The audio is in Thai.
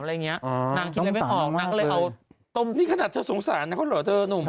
นางคิดอะไรไม่ออกนางก็เลยเอานี่ขนาดจะสงสารนะคุณหรอเจอนุ่ม